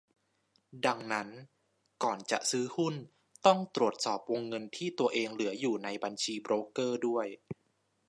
ดังนั้น ก่อนจะซื้อหุ้นต้องตรวจสอบวงเงินที่ตัวเองเหลืออยู่ในบัญชีโบรกเกอร์ด้วย